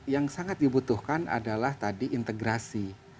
yang sangat dibutuhkan adalah tadi integrasi